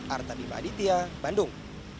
artadim aditya bandung